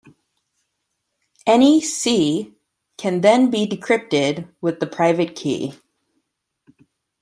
Any "C" can then be decrypted with the private key.